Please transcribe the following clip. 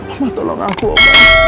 omah tolong aku omah